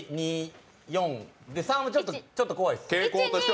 ３はちょっと怖いです。